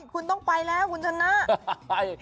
คุณต้องไปแล้วคุณชนะ